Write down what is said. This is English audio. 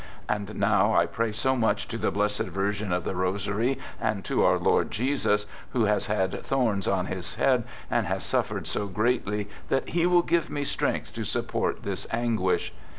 And now I pray _so_much to the Blessed Virgin of the V Rosary and to our Lord Jesus, who has had thorns onTHis head and has suffered so greatly, that He will give me strength to support this anguish.